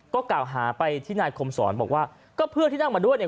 ก็กล่าวหาไปที่นายคมสอนบอกว่าก็เพื่อนที่นั่งมาด้วยเนี่ย